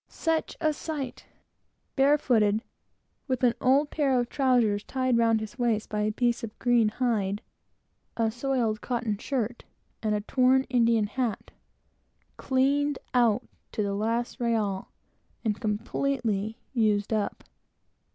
Such a sight I never saw before. Barefooted, with an old pair of trowsers tied round his waist by a piece of green hide, a soiled cotton shirt, and a torn Indian hat; "cleaned out," to the last reál, and completely "used up."